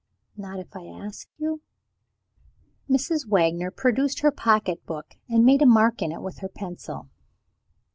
"Not if I ask you?" He instantly sat down. Mrs. Wagner produced her pocket book, and made a mark in it with her pencil.